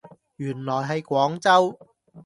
原來係廣州